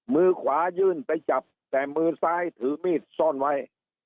มือขวายื่นไปจับแต่มือซ้ายถือมีดซ่อนไว้